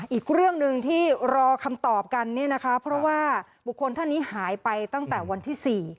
อีกเรื่องหนึ่งที่รอคำตอบกันเนี่ยนะคะเพราะว่าบุคคลท่านนี้หายไปตั้งแต่วันที่๔